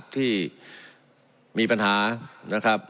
ที่มีปัญหานะครับ